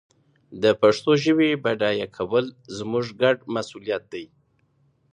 د پښتو ژبي بډایه کول زموږ ګډ مسؤلیت دی.